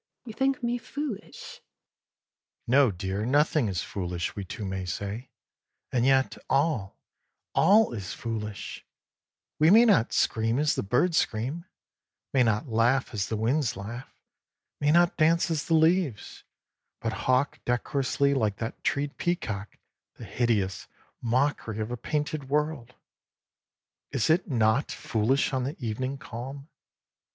You think me foolish ? 35 D 2 IN THE NET OF THE STARS HE : No, dear, nothing is foolish We two may say, and yet all, all is foolish ; We may not scream as the birds scream, may not laugh As the wind laughs, may not dance as the leaves, But hawk decorously like that tree'd peacock, The hideous mockery of a painted world, Is it not foolish on the evening calm